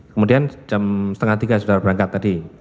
kemudian jam setengah tiga sudah berangkat tadi